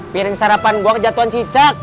piring sarapan gue kejatuhan cicak